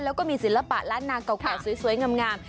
แล้วก็มีศิลปะล้านนาเก่าสวยงาม